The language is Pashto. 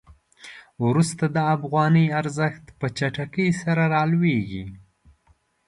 وروسته د افغانۍ ارزښت په چټکۍ سره رالویږي.